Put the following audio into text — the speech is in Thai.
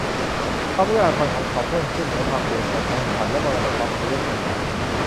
ความเอื้ออาทรของเขาเพิ่มขึ้นเหนือความเสียโฉมของฉันและมรดกความอัปยศของฉัน